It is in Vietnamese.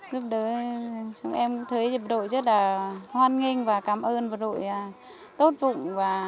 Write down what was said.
lúc đấy chúng em thấy đội rất là hoan nghênh và cảm ơn đội tốt vụng